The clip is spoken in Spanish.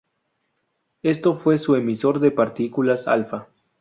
Esto fue su emisor de partículas alfa.